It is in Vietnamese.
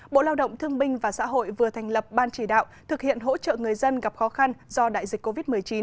bộ lao động thương binh và xã hội vừa thành lập ban chỉ đạo thực hiện hỗ trợ người dân gặp khó khăn do đại dịch covid một mươi chín